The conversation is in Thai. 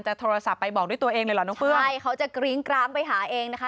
ใช่เขาจะกรี๊งกรามไปหาเองนะคะ